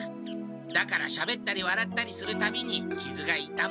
だからしゃべったりわらったりするたびにきずがいたむ。